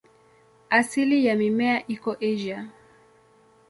Asili ya mimea iko Asia.